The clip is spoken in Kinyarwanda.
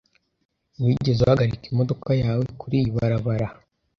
Wigeze uhagarika imodoka yawe kuriyi barabara?